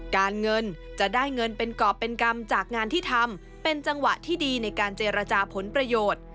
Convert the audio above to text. การเงินจะได้เงินเป็นกรอบเป็นกรรมจากงานที่ทำเป็นจังหวะที่ดีในการเจรจาผลประโยชน์